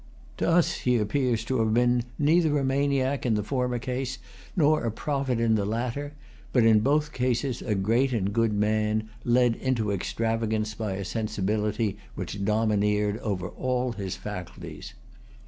To us he appears to have been neither a maniac in the former case nor a prophet in the latter, but in both cases a great and good man, led into extravagance by a sensibility which domineered over all his faculties.